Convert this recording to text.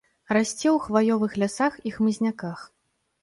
Расце ў хваёвых лясах і хмызняках.